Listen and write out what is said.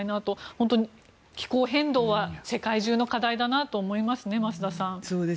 本当に気候変動は世界中の課題だと思いますよね。